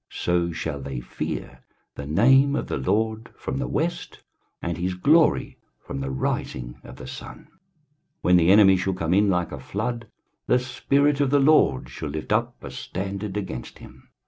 23:059:019 So shall they fear the name of the LORD from the west, and his glory from the rising of the sun. When the enemy shall come in like a flood, the Spirit of the LORD shall lift up a standard against him.